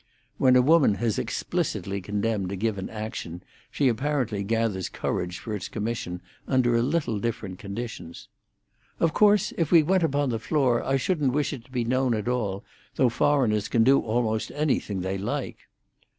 When a woman has explicitly condemned a given action, she apparently gathers courage for its commission under a little different conditions. "Of course, if we went upon the floor, I shouldn't wish it to be known at all, though foreigners can do almost anything they like."